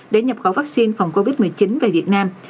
để nhập khẩu vaccine phòng covid một mươi chín về việt nam